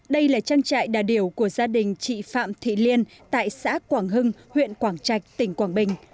đây là trang trại đà điểu của gia đình chị phạm thị liên tại xã quảng hưng huyện quảng trạch tỉnh quảng bình